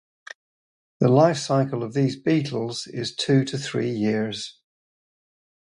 The life cycle of these beetles is two to three years.